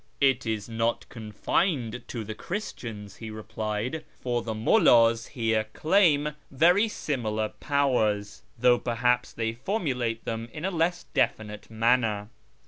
" It is not confined to Christians," he replied, " for the mullds here claim very similar powers, though perhaps they SHIRAZ 325 formulate tliem in a less definite manner.